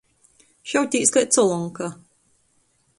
Šautīs kai colonka.